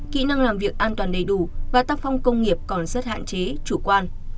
kỹ năng làm việc an toàn đầy đủ và tác phong công nghiệp còn rất hạn chế chủ quan